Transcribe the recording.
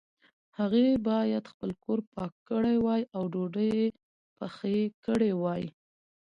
هغې باید خپل کور پاک کړی وای او ډوډۍ یې پخې کړي وای